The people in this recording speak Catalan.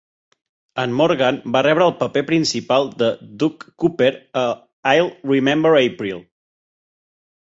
En Morgan va rebre el paper principal de Duke Cooper a "I'll Remember April".